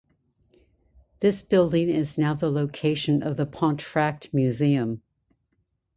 This building is now the location of the Pontefract Museum.